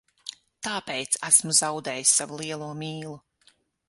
Tāpēc esmu zaudējis savu lielo mīlu.